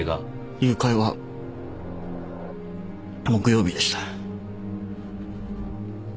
誘拐は木曜日でした。